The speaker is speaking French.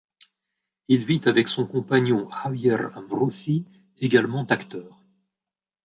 Il vit avec son compagnon Javier Ambrossi, également acteur.